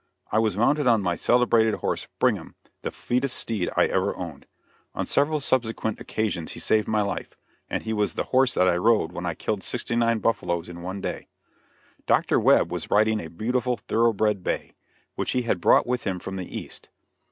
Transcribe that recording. I was mounted on my celebrated horse Brigham, the fleetest steed I ever owned. On several subsequent occasions he saved my life, and he was the horse that I rode when I killed sixty nine buffaloes in one day. Dr. Webb was riding a beautiful thoroughbred bay, which he had brought with him from the East.